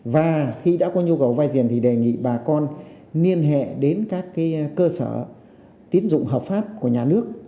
và khi đã có nhu cầu vay tiền thì đề nghị bà con liên hệ đến các cơ sở tiến dụng hợp pháp của nhà nước